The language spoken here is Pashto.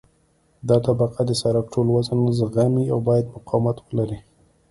دا طبقه د سرک ټول وزن زغمي او باید مقاومت ولري